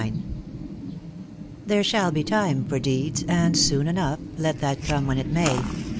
There shall be time for deeds, and soon enough, Let that come when it may.